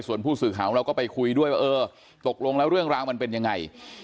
ส่วนผู้สื่อข่าวของเราก็ไปคุยด้วยว่าเออตกลงแล้วเรื่องราวมันเป็นยังไง